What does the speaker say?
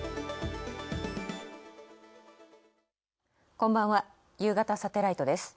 こんばんは『ゆうがたサテライト』です。